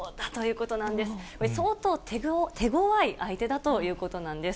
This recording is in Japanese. これ、相当手ごわい相手だということなんです。